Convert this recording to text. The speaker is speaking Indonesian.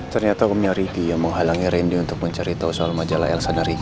ternyata omnya ricky yang menghalangi rendy untuk menceritau soal majalah elsa dan ricky